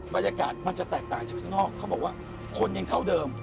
บรรยากาศมันจะแตกต่างจากข้างนอกเขาบอกว่าคนยังเท่าเดิม